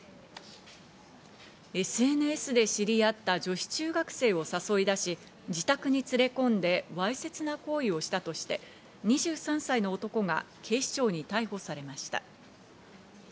ＳＮＳで知り合った女子中学生を誘い出し、自宅に連れ込んで、わいせつな行為をしたとして２３歳の男が警視庁に逮捕されました。